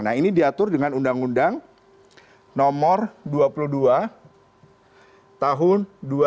nah ini diatur dengan undang undang nomor dua puluh dua tahun dua ribu dua